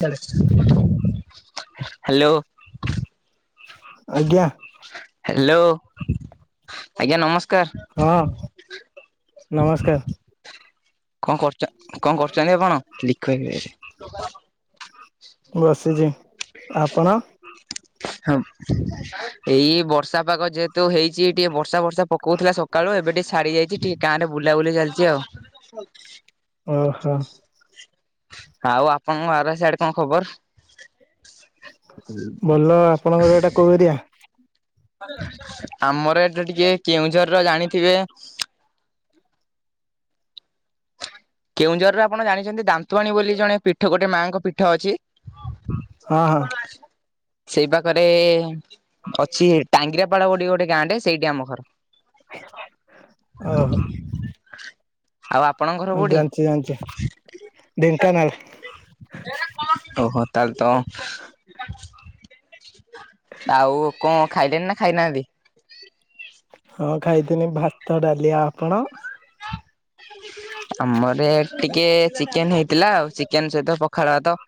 ଛାଡେ ହ୍ୟାଲୋ। ଆଜ୍ଞା। ହ୍ୟାଲୋ ଆଜ୍ଞା ନମସ୍କାର। ହଁ। ନମସ୍କାର କଣ କରୁ କଣ କରୁଛନ୍ତି ଆପଣ ଲିଖବେ ଏ ଲୋକାଲ। ବସିଛି ଆପଣ? [unintelligible] ଏଇ ବର୍ଷା ପାଗ ଯେହେତୁ ହେଇଛି ଟିକେ ବର୍ଷା ବର୍ଷା ପକଉଥିଲା ସକାଳୁ ଏବେ ଟିକେ ଛାଡ଼ି ଯାଇଛି ଟିକେ। ଗାଁ ରେ ବୁଲାବୁଲି ଚାଲିଛି ଆଉ। ଓହୋ। ଆଉ ଆପଣଙ୍କ ବାର ସିଆଡେ କଣ ଖବର? ଭଲ ଆପଣଙ୍କର ଏଟା କୋଉ ଏରିଆ? ଆମର ଏଠି ଟିକେ କେଉଁଝରର ଜାଣିଥିବେ। କେଉଁଝରରେ ଆପଣ ଜାଣିଛନ୍ତି ଦାନ୍ତୁବାଣୀ ବୋଲି ଜଣେ ପୀଠ ଗୋଟେ ମାଙ୍କ ପୀଠ ଅଛି। ହଁ ହଁ ସେଇ ପାଖରେ ଅଛି ଟାଙ୍ଗିରାଆପାଳ ଗୋଟେ ଗୋଟେ ଗାଁଟେ ସେଇଠି ଆମ ଘର। ଓହୋ। ଆଉ ଆପଣଙ୍କ ଘର କୋଉଠି? ଜାଣିଛି ଜାଣିଛି ଢେଙ୍କାନାଳ ଓହୋ ତାହେଲେ ତ ଆଉ କଣ ଖାଇଲେଣି ନା ଖାଇନାହାନ୍ତି? ହଁ ଖାଇଥିନି ଭାତ ଡାଲି ଆପଣ? [inaudible] ଆମର ଟିକେ ଚିକେନ ହେଇଥିଲା ଆଉ ଚିକେନ ସହିତ ପଖାଳ ଭାତ। [inaudible]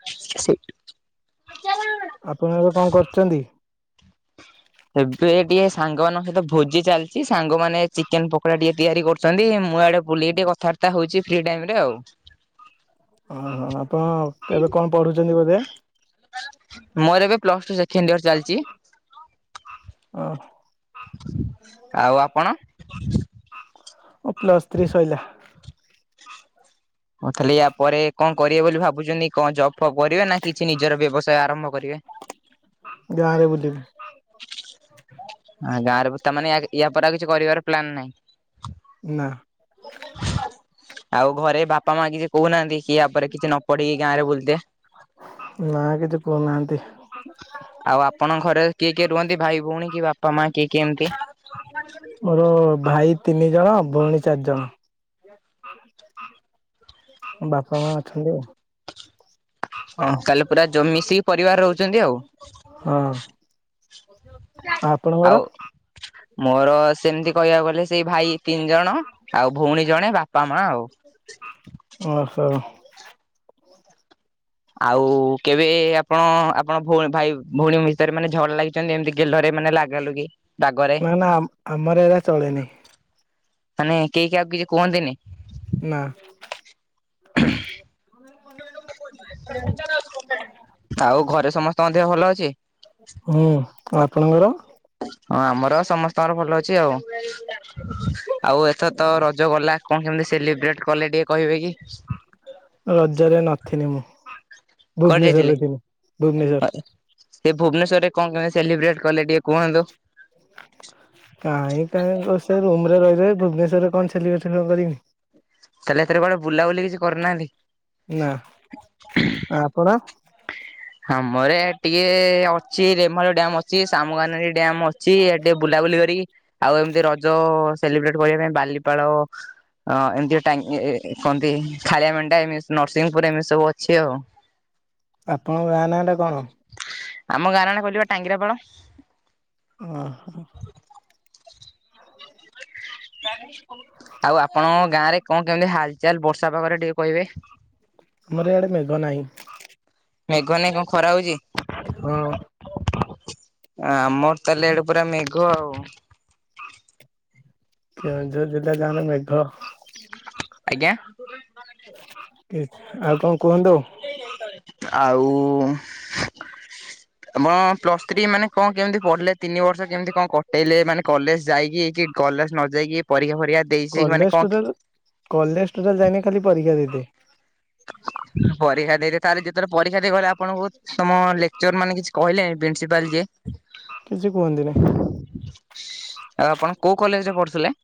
ଆପଣ ଏବେ କଣ କରୁଛନ୍ତି? ଏବେ ଟିକେ ସାଙ୍ଗମାନାନଙ୍କ ସହିତ ଭୋଜି ଚାଲିଛି ସାଙ୍ଗମାନେ ଚିକେନ ପକୋଡା ଟିକେ ତିଆରି କରୁ ଆଛନ୍ତି ମୁଁ ଆଡେ ବୁଲିକି ଟିକେ କଥାବାର୍ତ୍ତା ହଉଛି ଫ୍ରି ଟାଇମ୍ ରେ ଆଉ। ଓହୋ ଆପଣ ଏବେ କଣ ପଢୁଛନ୍ତି ବୋଧେ ମୋର ଏବେ ପ୍ଲସ ଟୁ ସେକେଣ୍ଡ ଇୟର ଚାଲିଛି। ଆଉ ଆପଣ? ଓ ପ୍ଲସ୍‌ ଥ୍ରୀ ଶଇଲା। ହଁ ତାହେଲେ ୟା ପରେ କଣ କରିବେ ବୋଲି ଭାବୁଛନ୍ତି କଣ ଜବ ଫପ୍ କରିବେ ନା କିଛି ନିଜର ବ୍ୟବସାୟ ଆରମ୍ଭ କରିବେ। ଗାଁ ରେ ବୁଲିବି। ଗାଁରେ ତାମାନେ ୟା ପରେ ଆଉ କିଛି କରିବାର ପ୍ଲାନ ନାହିଁ। ନା ଆଉ ଘରେ ବାପା ମା କି ଯେ କହୁନାହାନ୍ତି କିଏ ଆପରେ କିଛି ନ ପଢିକି ଗାଁରେ ବୁଲଦେ। ନା କିଛି କହୁନାହାନ୍ତି। ଆଉ ଆପଣଙ୍କ ଘରେ କିଏ କିଏ ରୁହନ୍ତି ଭାଇ ଭଉଣୀ କି ବାପା ମା କିଏ କିଏ ଏମିତି। ମୋର ଭାଇ ତିନି ଜଣ ଭଉଣୀ ଚାରିଜଣ। ବାପା ମା ଅଛନ୍ତି ଆଉ। ଶ ତାହେଲେ ପୁରା ମିଶିକି ପରିବାର ରହୁଛନ୍ତି ଆଉ। ହଁ ଆଉ ଆପଣଙ୍କର ମୋର ସେମିତି କହିବାକୁ ଗଲେ ସେଇ ଭାଇ ତିନି ଜଣ ଆଉ ଭଉଣୀ ଜଣେ ବାପା ମା ଆଉ। ଓହୋ। ଆଉ କେବେ ଆପଣ ଆପଣଭ ଭାଇ ଭଉଣୀ ଭିତରେ ମାନେ ଝଗଡା ଲାଗି ଏମିତି ଗେଲରେ ମାନେ ଲାଗାଲୁଗି ନା ନା ଆମର ଏରା ଚଳେନିଁ। ମାନେ କେହି କାହାକୁ କିଛି କୁହନ୍ତିନି। ନା। [unintelligible] [inaudible] ଆଉ ଘରେ ସମସ୍ତଙ୍କ ଦେହ ଭଲ ଅଛି? ହୁଁ, ଆପଣଙ୍କର? ହଁ ଆମର ସମସ୍ତଙ୍କର ଭଲ ଅଛି ଆଉ। ଆଉ ଏଥର ତ ର ଜ ଗଲା କଣ କେମିତି ସେଲିବ୍ରେଟ କଲେ ଟିକେ କହିବେ କି? ରଜରେ ନଥିନି ମୁଁ କୁଆଡେ ଯାଇଥିଲେ? ଭୁବନେଶ୍ଵରରେ ଥିଲି ଭୁବନେଶ୍ଵର। ସେ ଭୁବନେଶ୍ୱରରେ କଣ କେମିତି ସେଲିବ୍ରେଟ କଲେ ଟିକେ କୁହନ୍ତୁ। କାହିଁ କାହିଁ ସେ ରୁମ ରେ ରହି ରହି ଭୁବନେଶ୍ଵରରେ କଣ ସେଲିବ୍ରେସନ କରିମି। ତାହେଲେ ଏଥିରେ କୁଆଡେ ବୁଲାବୁଲି କିଛି କରିନାହାନ୍ତି? ନା, ଆ ଆପଣ? ଆମର ଇଆଡ଼େ ଟିକେ ଅଛି ରେମାଳ ଡ୍ୟମ୍ ଅଛି ସାମୁକାନଦୀ ଡ୍ୟମ୍ ଅଛି, ଟିକେ ବୁଲାବୁଲି କରିକି ଆଉ ଏମିତି ରଜ ସେଲିବ୍ରେଟ କରିବା ପାଇଁ ବାଲିପାଳ ହଁ ଏମିତି ଟ କନ୍ତି ଖାଳିଆ ମେଣ୍ଢା ଏମିତି ନରସିଂହପୁର ଏମିତି ସବୁ ଅଛି ଆଉ। ଆପଣଙ୍କ ଗାଁ ନାଁ ଟା କଣ? ଆମ ଗାଁ ନାଁ ଟା କହିଲି ବା ଟାଙ୍ଗିରାପାଳ। ଓ ହୋ। ଆଉ ଆପଣଙ୍କ ଗାଁ ରେ କଣ କେମିତି ହାଲଚାଲ ବର୍ଷା ପାଗରେ ଟିକେ କହିବେ? ଆମର ଇଆଡେ ମେଘ ନାହିଁ। ମେଘ ନାଇଁ କଣ ଖରା ହଉଛି? ହଁ। ଆମର ତାହେଲେ ଇଆଡ଼େ ପୁରା ମେଘ ଆଉ। କେଉଁଝର ଜିଲ୍ଲା ଜାଣ ମେଘ ଆଜ୍ଞା। ଆଉ କଣ କୁହନ୍ତୁ। ଆଉ ଆମ ପ୍ଲସ ଥ୍ରୀ ମାନେ କଣ କେମିତି ପଢିଲେ ତିନି ବର୍ଷ କେମିତି କଣ କଟେଇଲେ ମାନେ କଲେଜ ଯାଇକିଇକି କଲେଜ ନ ଯାଇକି ପରୀକ୍ଷା ଫରିକ୍ଷା କଲେଜ ଟୋଟାଲ କଲେଜ ଟୋଟାଲ ଯାଇନି ଖାଲି ପରୀକ୍ଷା ଦେଇଦେ। ପରୀକ୍ଷା ଦେଇ ତାହଲେ ଯେତେବେଳେ ପରୀକ୍ଷା ଦେଇଗଲେ ଆପଣଙ୍କୁ ତମ ଲେକ୍ଚର ମାନେ କିଛି କହିଲେନି ପ୍ରିନ୍ସିପାଲ ଯିଏ? କିଛି କୁହନ୍ତି ନାହିଁ। ଆଉ ଆପଣ କୋଉ କଲେଜରେ ପଢୁଥିଲେ?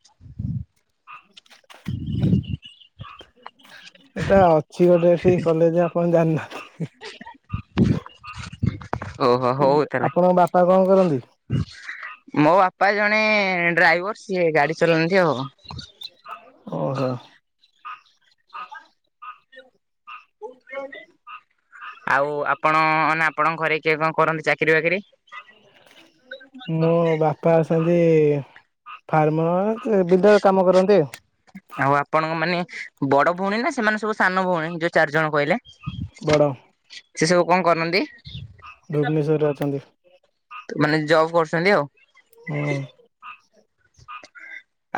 ଏଟା ଅଛି ଗୋଟେ ଏଠି କଲେଜ ଆପଣ ଓହୋ ଜାଣିନାହାନ୍ତି। ହଉ ତାହେଲେ ଆପଣଙ୍କ ବାପା କଣ କରନ୍ତି? ମୋ ବାପା ଜଣେ ଡ୍ରାଇଭର। ସିଏ ଗାଡି ଚଲାନ୍ତି ଆଉ। ଓହୋ। [inaudible] ଆଉ ଆପଣ ନା ଆପଣଙ୍କ ଘରେ କିଏ କଣ କରନ୍ତି ଚାକିରି ବାକିରି? ମୋ ବାପା ଅଛନ୍ତି ଫାର୍ମର। ଏ ବିଲରେ କାମ କରନ୍ତି ଆଉ। ଆଉ ଆପଣଙ୍କ ମାନେ ବଡ ଭଉଣୀ ନା ସେମାନେ ସବୁ ସାନ ଭଉଣୀ ଯୋଉ ଚାରି ଜଣ କହିଲେ। ବଡ ସେ ସବୁ କଣ କରନ୍ତି? ଭୁବନେଶ୍ଵର ରେ ଅଛନ୍ତି। ତ ମାନେ ଜବ୍ କରୁଛନ୍ତି ଆଉ। ହୁଁ।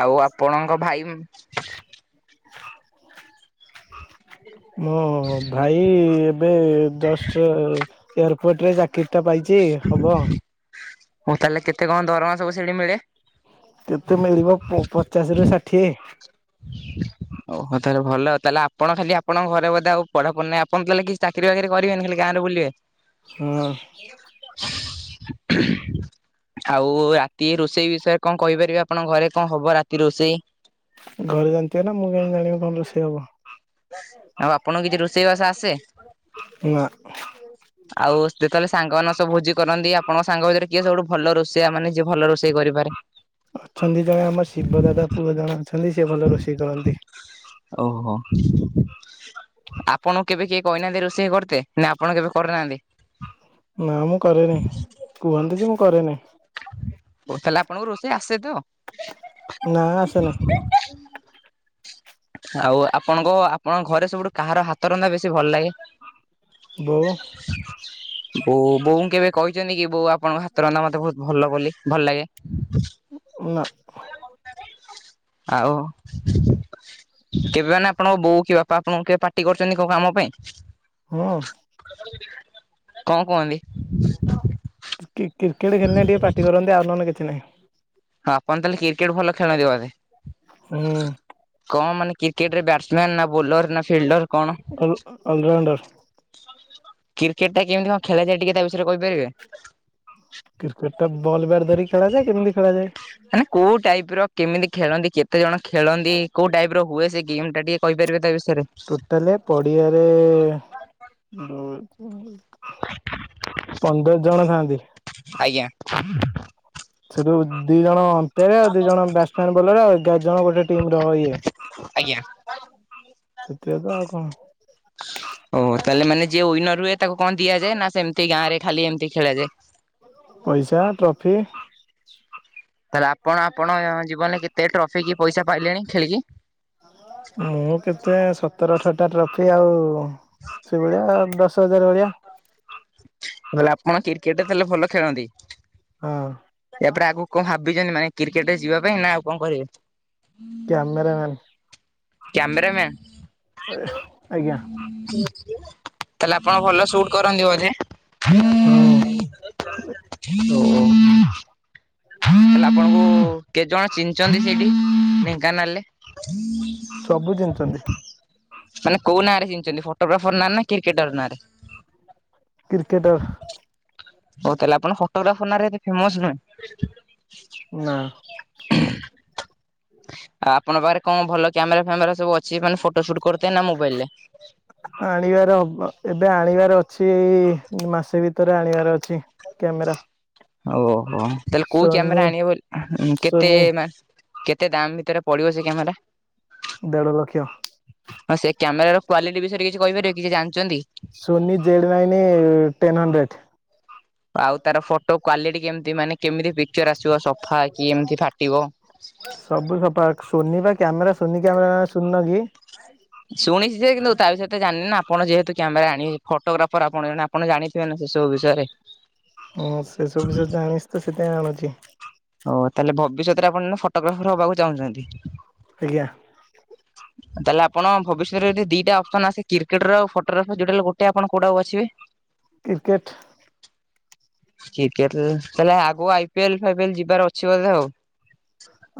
ଆଉ ଆପଣଙ୍କ ଭାଇ? ମୋ ଭାଇ ଏବେ ଜଷ୍ଟ ଏୟାରପୋର୍ଟରେ ଚାକିରି ଟା ପାଇଛି ହବ। ହଁ ତାହେଲେ କେତେ କଣ ଦରମା ସବୁ ସେଠି ମିଳେ? କେତେ ମିଳିବ ପ ପଚାଶ ରୁ ଷାଠିଏ। ଓହୋ ତାହାଲେ ଭଲ ତାହେଲେ ଆପଣ ଖାଲି ଆପଣଙ୍କ ଘରେ ବୋଧେ ଆଉ ପଢାପଢ଼ି ନାହିଁ ଆପଣ ତାହେଲେ କିଛି ଚା ଚାକିରି ବାକିରୀ କରିବେନି ଖାଲି ଗାଁରେ ବୁଲିବେ। ହଁ। ଆଉ ରାତି ରୋଷେଇ ବିଷୟରେ କଣ କହିପାରିବେ ଆପଣଙ୍କ ଘରେ କଣ ହବ ରାତି ରୋଷେଇ? ଘରେ ଜାଣିଥିବେ ନା ମୁଁ କେମତି ଜାଣିବି କଣ ରୋଷେଇ ହବ। ଆଉ ଆପଣଙ୍କୁ କିଛି ରୋଷେଇବାସ ଆସେ? ନା। ଆଉ ଯେତେବେଳେ ସାଙ୍ଗମାନଙ୍କ ସହ ଭୋଜି କରନ୍ତି ଆପଣଙ୍କ ସାଙ୍ଗ ଭିତରେ କିଏ ସବୁଠୁ ଭଲ ରୋଷେଇଆ ମାନେ ଯିଏ ଭଲ ରୋଷେଇ କରିପାରେ? ଅଛନ୍ତି ଜଣେ ଆମ ଶିବ ଦାଦା ପୁଅ ଜଣେ ଅଛନ୍ତି ସେ ଭଲ ରୋଷେଇ କରନ୍ତି। ଓହୋ। ଆପଣଙ୍କୁ କେବେ କେହି କହିନାହାନ୍ତି ରୋଷେଇ କରତେ? ନା ଆପଣ କେବେ କରିନାହାନ୍ତି? ନା ମୁଁ କରେନି କୁହନ୍ତି ଯେ ମୁଁ କରେନି। ଓ ତାହେଲେ ଆପଣଙ୍କୁ ରୋଷେଇ ଆସେ ତ? ନା ଆସେନି। ଆଉ ଆପଣଙ୍କ ଆପଣଙ୍କ ଘରେ ସବୁଠୁ କାହାର ହାତ ରନ୍ଧା ବେଶୀ ଭଲ ଲାଗେ? ବୋଉ। ବୋଉ ବୋଉଙ୍କୁ କେବେ କହିଛନ୍ତି କି ବୋଉ ଆପଣଙ୍କ ହାତ ରନ୍ଧା ମତେ ବହୁତ ଭଲ ବୋଲି ଭଲ ଲାଗେ? ହ ନା। ଆଉ। କେବେ ମାନେ ଆପଣଙ୍କ ବୋଉ କି ବାପା ଆପଣଙ୍କୁ କେବେ ପାଟି କରିଛନ୍ତି କୋଉ କାମ ପାଇଁ? ହୁଁ। କଣ କୁହନ୍ତି? କି କ୍ରିକେଟ ଖେଳିନେ ଟିକେ ପାଟି କରନ୍ତି ଆଉ ନହେଲେ କିଛି ନାହିଁ। ହଁ ଆପଣ ତାହେଲେ କ୍ରିକେଟ ଭଲ ଖେଳନ୍ତି ବୋଧେ? ହୁଁ କଣ ମାନେ କ୍ରିକେଟରେ ବ୍ୟାଟସ ମ୍ୟାନ ନା ବୋଲର ନା ଫିଲ୍ଡର କଣ? All allrounder. କ୍ରିକେଟ ଟା କେମିତି କଣ ଖେଳାଯାଏ ଟିକେ ତା ବିଷୟରେ କହିପାରିବେ? କ୍ରିକେଟା ବଲ ବ୍ୟାଟ୍ ଧରିକି ଖେଳାଯାଏ କେମି ଖେଳାଯାଏ। ମାନେ କୋଉ ଟାଇପ ର କେମିତି ଖେଳନ୍ତି କେତେ ଜଣ ଖେଳନ୍ତି କୋଉ ଟାଇପ ର ହୁଏ ସେ ଗେମ୍ ଟା ଟିକେ କହିପାରିବ ତା ବିଷୟରେ। ଟୋଟାଲ ପଡିଆରେ ପନ୍ଦର ଜଣ ଥାଆନ୍ତି। ଆଜ୍ଞା। ସେଠୁ ଦି ଜଣ ଅମ୍ପେୟାର ଆଉ ଦି ଜଣ ବ୍ୟାଟସମ୍ୟାନ ବୋଲର ଏଗାର ଜଣ ଗୋଟେ ଟିମ ର ଇଏ ଆଜ୍ଞା। ସେଥିକ ତ ଆଉ କଣ। ହଁ ଓ ତାହେଲେ ମାନେ ଯିଏ ୱିନର ହୁଏ ତାକୁ କଣ ଦିଆଯାଏ ନା ସେମିତି ଗାଁରେ ଖାଲି ଏମିତି ଖେଳାଯାଏ। ପଇଶା ଟ୍ରଫି। ତାହେଲେ ଆପଣ ଆପଣ ଜୀବନରେ କେତେ ଟ୍ରଫି କି ପଇସା ପାଇଲେଣି ଖେଳିକି। ମୁଁ କେତେ ସତର ଅଠଟା ଟ୍ରଫି ଆଉ ସେଭଳିଆ ଦଶ [unintelligible] ବଲେ ଆପଣ କ୍ରିକେଟ ତାହେଲେ ଭଲ ଖେଳନ୍ତି। ହଁ। ୟାପରେ ଆଗକୁ କଣ ଭାବିଛନ୍ତି ମାନେ କ୍ରିକେଟ ରେ ଯିବା ପାଇଁ ନା ଆଉ କଣ କରିବେ। କ୍ୟାମେରାମ୍ୟାନ୍। କ୍ୟାମେରାମ୍ୟାନ୍। ଆଜ୍ଞା ତାହେଲେ ଆପଣ ଭଲ ସୁଟ କରନ୍ତି ବୋଧେ। ହଁ। ହଉ ହଉ। ତାହାଲେ ଆପଣଙ୍କୁ କେତେ ଜଣ ଚିହ୍ନିଚନ୍ତି ସେଇଠି ଢେଙ୍କାନାଳରେ। ସବୁ ଚିନଚନ୍ତୀ। ମାନେ କୋଉ ନାଁରେ ଚିହ୍ନିଚନ୍ତି ଫଟୋଗ୍ରାଫର ନାଁରେ ନା କ୍ରିକେଟର ନାଁ ରେ। କ୍ରିକେଟର। ହଉ ତାହେଲେ ଆପଣ ଫଟୋଗ୍ରାଫର ନାଁରେ ଏତେ ଫେମସ ନୁହେଁ।। [unintelligible] ନା। ଆପଣଙ୍କ ପାଖରେ କଣ ଭଲ କ୍ୟାମେରା ଫ୍ୟାମେରା ସବୁ ଅଛି ମାନେ ଫଟୋ ସୁଟ କରୁଥିବେ ନା ମୋବାଇଲ ରେ। ଆଣିବାର ହବ ଏବେ ଆଣିବାର ଅଛି ଏଇ ମାସେ ଭିତରେ ଆଣିବାର ଅଛି। କ୍ୟାମେରା। ଓହୋ ତାହେଲେ କୋଉ ସୋନି କ୍ୟାମେରା ଆଣିବେ ବୋଲି କେତେ ସୋନି ମାସ କେତେ ଦାମ୍ ଭିତରେ ପଡିବ ସେ କ୍ୟାମେରା। ଦେଢ଼ ଲକ୍ଷ। ହଁ ସେ କ୍ୟାମେରାର କ୍ୱାଲିଟି ବିଷୟରେ କିଛି କହିପାରିବେ କି କିଛି ଜାଣିଛନ୍ତି। Sony Z ninety ten hundred. ଆଉ ତାର ଫଟୋ କ୍ଵାଲିଟି କେମିତି ମାନେ କେମିତି ପିକଚର ଆସିବ ସବୁ। ଫା କିି ଏମିତି ଫାଟିବ। ସବୁ ସଫା ସୋନି ବା କ୍ୟାମେରା ସୋନି କ୍ୟାମେରା ଶୁଣି ନ କି? ଶୁଣିଚି ଯେ କିନ୍ତୁ ତା ବିଷୟରେ ତୋ ଜାଣିନି ନା ଆପଣ ଯେହେତୁ କ୍ୟାମେରା ଆଣିବେ ଫଟୋଗ୍ରାଫର ଆପଣ ଜଣେ ଆପଣ ଜାଣିଥିବେ ସେ ସବୁ ବିଷୟରେ। [inaudible] ହଁ ସେ ସବୁ ବିଷୟରେ ଜାଣିଚି ତ ସେଥିପାଇଁ ଆଣୁଚି। ଓ ତାହେଲେ ଭବିଷ୍ୟତରେ ଆପଣ ଜଣେ ଫଟୋଗ୍ରାଫର ହବାକୁ ଚାହୁଁଛନ୍ତି। ଆଜ୍ଞା। [inaudible] ତାହେଲେ ଆପଣ ଭବିଷ୍ୟତରେ ଯଦି ଦିଟା ଅପସନ ଆସେ କ୍ରିକେଟର ଆଉ ଫଟୋଗ୍ରାଫର ଯଉଟା ହେଲେ ଗୋଟେ ଆପଣ କୋଉଟାକୁ ବାଛିବେ। କ୍ରିକେଟ୍। କ୍ରିକେଟ୍ ତାହେଲେ ଆଗକୁ ଆଇ ପିଏଲ୍ ଫାଇପିଏଲ୍ ଯିବାର ଅଛି ବୋଧେ ଆଉ।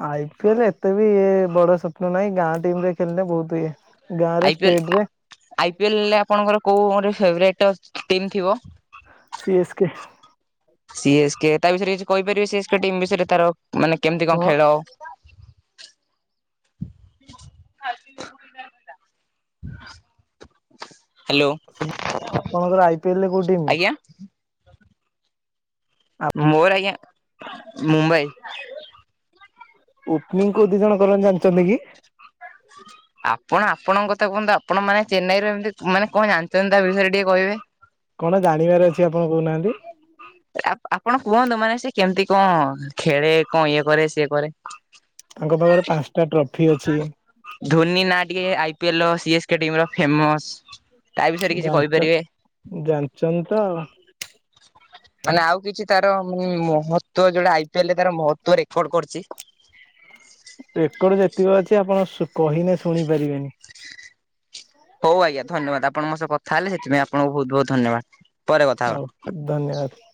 ଆଇ ପିଏଲ ଏତେ ବି ଇଏ ବଡ ସ୍ୱପ୍ନ ନାହିଁ। ଗାଁ ଟିମ ରେ ଖେଳିଲେ ବହୁତୁ ଇଏ। ଗାଁ ରେ ଆଇ ପିଏଲ ଷ୍ଟେଟ୍ ଆ ରେ ଇ ପିଏଲ ରେ ଆପଣଙ୍କର କୋଉ ଗୋଟେ ଫେଭେରାଇଟ ଟିମ୍ ଥିବ? C S K. CS K ତା ବିଷୟରେ କିଛି କହିପାରିବେ। ସିଏସ୍ କେ ଟିମ୍ ବିଷୟରେ ତାର ମାନେ କେମିତି କଣ ଖେଳ? [inaudible] ହଲ୍ [inaudible] [inaudible] ଆପଣଙ୍କର ଆଇ ପିଏଲ ରେ କୋଉ ଟିମ? [inaudible] ମୋର ଆଜ୍ଞା। ମୁମ୍ବାଇ। ଓପନିଂ କୋଉ ଦି ଜଣ କରନ୍ତୀ ଜାଣିଛନ୍ତି କି? [inaudible] ଆପଣ ଆପଣଙ୍କ କଥା କୁହନ୍ତୁ। ଆପଣ ମାନେ ଚେନ୍ନାଇରେ ଏମିତି, ମାନେ କଣ ଜାଣିଛନ୍ତି ତା ବିଷୟରେ ଟିକେ କହିବେ? କଣ ଜାଣିବାର ଅଛି ଆପଣ କହୁନାହାନ୍ତି? ଆପ ଆପଣ କୁହନ୍ତୁ ମାନେ ସେ କେମିତି କଣ ଖେଳେ କଣ ଇଏ କରେ ସିଏ କରେ? ତାଙ୍କ ପାଖରେ ପାଞ୍ଚଟା ଟ୍ରଫି ଅଛି। ଧୋନି ନାଁ ଟିକେ ଆଇ ପିଏଲ ର ସିଏସ କେ ଟିମ ର ଫେମସ। ଜାଣିଚ ଜାଣିଛନ୍ତି ତ। ମାନେ ଆଉ କିଛି ତାରା ମହତ୍ଵ ଯୋଉଟା ଆଇ ପିଏଲ ରେ ତାର ମହତ୍ଵ ରେକର୍ଡ କରିଛି। ରେକର୍ଡ ଯେତିକି ଅଛି ଆପଣ ଶୁ କହିନେ ଶୁଣି ପାରିବେନି। ହଉ ଆଜ୍ଞା ଧନ୍ୟବାଦ। ଆପଣଙ୍କ ମୋ ସହ କଥା ହେଲେ ସେଥି ପାଇ ଆପଣଙ୍କୁ ବହୁତ୍ ବହୁତ୍ ଧନ୍ୟବାଦ୍। ହଉ ଧନ୍ୟବାଦ।